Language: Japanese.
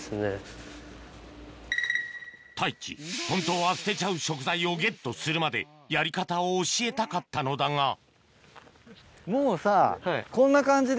本当は捨てちゃう食材をゲットするまでやり方を教えたかったのだが